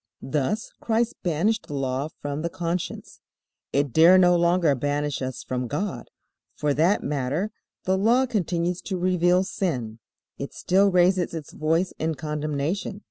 Thus Christ banished the Law from the conscience. It dare no longer banish us from God. For that matter, the Law continues to reveal sin. It still raises its voice in condemnation.